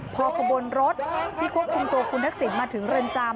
พอขบวนรถที่ควบคุมตัวคุณทักษิณมาถึงเรือนจำ